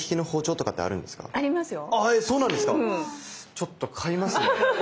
ちょっと買いますね。